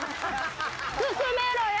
進めろや！